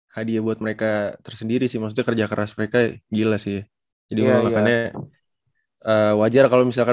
hadiah buat mereka tersendiri sih maksudnya kerja keras mereka gila sih jadi makanya wajar kalau misalkan